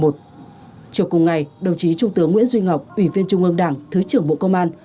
chiều cùng ngày đồng chí trung tướng nguyễn duy ngọc ủy viên trung ương đảng thứ trưởng bộ công an